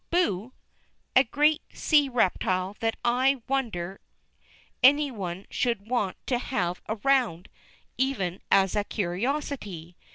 Boo! a great sea reptile that I wonder any one should want to have around, even as a curiosity.